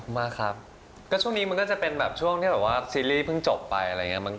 มากครับก็ช่วงนี้มันก็จะเป็นแบบช่วงที่แบบว่าซีรีส์เพิ่งจบไปอะไรอย่างนี้